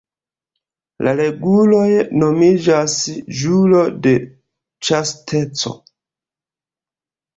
La reguloj nomiĝas "ĵuro de ĉasteco".